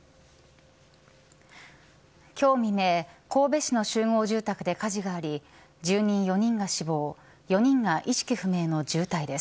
今日未明、神戸市の集合住宅で火事があり住人４人が死亡４人が意識不明の重体です。